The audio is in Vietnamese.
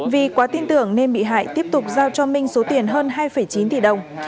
vì quá tin tưởng nên bị hại tiếp tục giao cho minh số tiền hơn hai chín tỷ đồng